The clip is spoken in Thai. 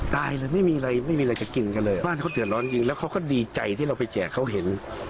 ตายเลยไม่มีอะไรไม่มีอะไรจะกินกันเลยบ้านเขาเดือดร้อนจริงแล้วเขาก็ดีใจที่เราไปแจกเขาเห็น